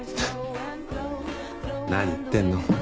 何言ってんの。